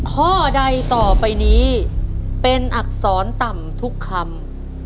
ข้อใดต่อไปนี้เป็นอักษรต่ำทุกคำ